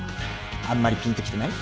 あんまりぴんときてない？